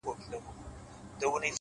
كه خپلوې مي نو در خپل مي كړه زړكيه زما ـ